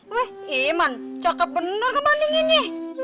weh iman cakep bener kebanding ini